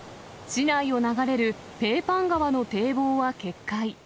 市内を流れるペーパン川の堤防は決壊。